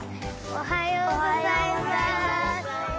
おはようございます。